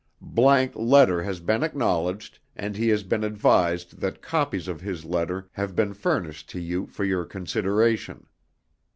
____ letter has been acknowledged and he has been advised that copies of his letter have been furnished to you for your consideration.